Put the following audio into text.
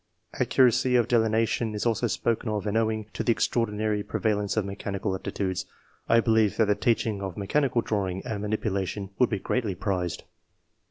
Accu racy of delineation is also spoken of, and, owing to the extraordinary prevalence of mechanical aptitudes, I believe that the teaching of me chanical drawing and manipulation would be greatly prized.